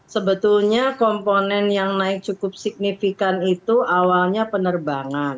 sebetulnya komponen yang naik cukup signifikan itu awalnya penerbangan